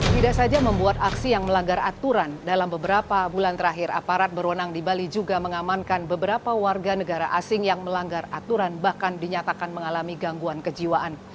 tidak saja membuat aksi yang melanggar aturan dalam beberapa bulan terakhir aparat berwenang di bali juga mengamankan beberapa warga negara asing yang melanggar aturan bahkan dinyatakan mengalami gangguan kejiwaan